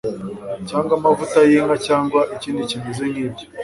cyangwa amavuta yinka cyangwa ikindi kimeze nkibyo